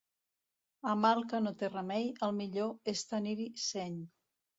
A mal que no té remei, el millor és tenir-hi seny.